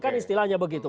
kan istilahnya begitu